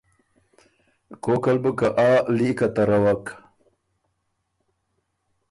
کوک ال بو که آ لیکه تَرَوَک۔